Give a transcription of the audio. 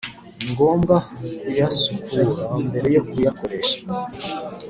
ni ngombwa kuyasukura mbere yo kuyakoresha.